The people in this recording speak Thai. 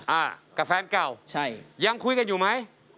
อ่ากับแฟนเก่าใช่ยังคุยกันอยู่ไหม